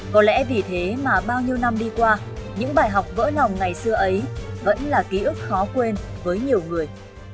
có lẽ vì thế mà bao nhiêu năm đi qua những bài học vỡ lòng ngày xưa ấy vẫn là ký ức khó quên với nhiều người